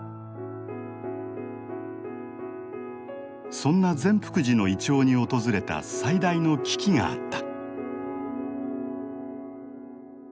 そんな善福寺のイチョウに訪れた最大の危機があった。